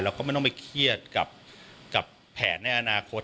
แล้วก็ไม่ต้องไปเครียดกับแผนในอนาคต